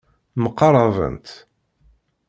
Mqarabent.